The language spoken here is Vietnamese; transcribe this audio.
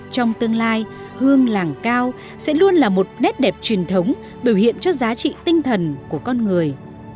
trong tương lai hương làng cao sẽ luôn là một nét đẹp truyền thống biểu hiện cho giá trị tinh thần của con người